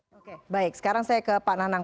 oke baik sekarang saya ke pak nanang